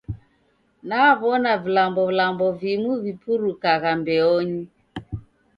Naw'ona vilambolambo vimu vipurukagha mbeonyi.